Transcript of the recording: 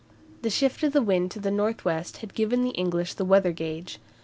The shift of the wind to the north west had given the English the weather gage.